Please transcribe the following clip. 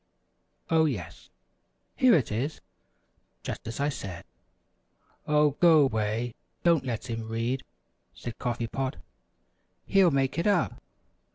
Oh, yes, here it is, just as I said!" "Oh, go 'way! Don't let him read," said Coffee Pot; "he'll make it up."